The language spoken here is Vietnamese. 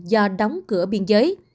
do đóng cửa biên giới